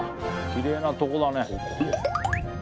きれいなとこだね。